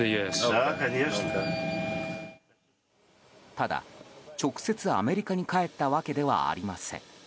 ただ、直接アメリカに帰ったわけではありません。